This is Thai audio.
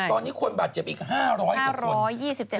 ตอนนี้คนบาดเจ็บอีก๕๒๖คน